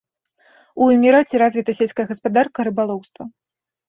У эміраце развіта сельская гаспадарка, рыбалоўства.